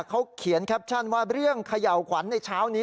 เขาเขียนแคปชั่นว่าเรื่องเขย่าขวัญในเช้านี้